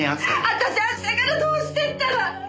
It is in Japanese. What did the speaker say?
私明日からどうしてったら！